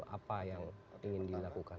apa yang ingin dilakukan